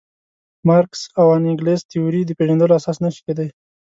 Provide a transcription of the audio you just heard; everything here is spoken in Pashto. مارکس او انګلز تیورۍ د پېژندلو اساس نه شي کېدای.